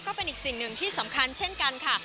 ก็เป็นอีกสิ่งหนึ่งที่สำคัญเช่นกันค่ะ